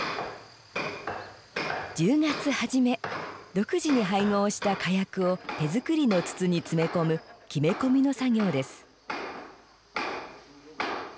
独自に配合した火薬を手作りの筒に詰め込むきめ込みの作業です。